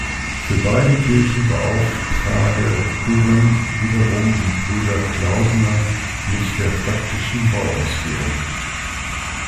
Für beide Kirchen beauftrage Couven wiederum die Brüder Klausener mit der praktischen Bauausführung.